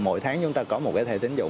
mỗi tháng chúng ta có một cái thẻ tính dụng